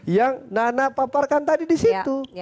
yang nana paparkan tadi disitu